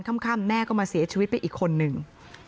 ค่ำแม่ก็มาเสียชีวิตไปอีกคนนึง